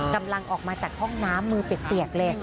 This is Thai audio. กำลังออกมาจากห้องน้ำมือเปียกเลย